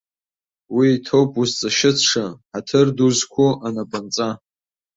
Уи иҭоуп узҵашьыцша, ҳаҭыр ду зқәу анапынҵа.